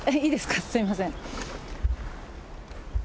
すみません。